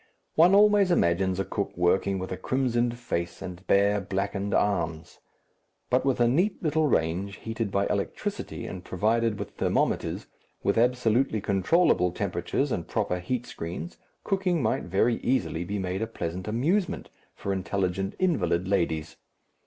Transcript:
One always imagines a cook working with a crimsoned face and bare blackened arms. But with a neat little range, heated by electricity and provided with thermometers, with absolutely controllable temperatures and proper heat screens, cooking might very easily be made a pleasant amusement for intelligent invalid ladies.